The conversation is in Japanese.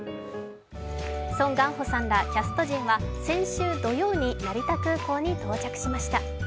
ソン・ガンホさんらキャスト陣は先週土曜に成田空港に到着しました。